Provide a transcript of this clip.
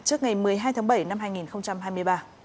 trước ngày một mươi hai tháng bảy năm hai nghìn hai mươi ba